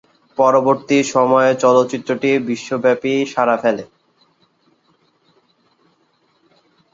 পরবর্তী সময়ে চলচ্চিত্রটি বিশ্বব্যাপী সাড়া ফেলে।